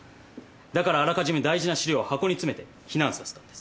だからあらかじめ大事な資料は箱に詰めて避難させたんです。